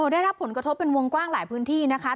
ได้รับผลกระทบเป็นวงกว้างหลายพื้นที่นะคะ